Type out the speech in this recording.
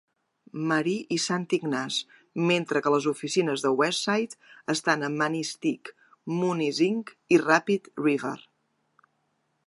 Marie i Saint Ignace, mentre que les oficines de Westside estan a Manistique, Munising i Rapid River.